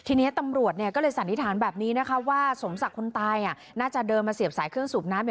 ทีนี้ตำรวจก็เลยสันนิษฐานแบบนี้นะคะว่าสมศักดิ์คนตายน่าจะเดินมาเสียบสายเครื่องสูบน้ำ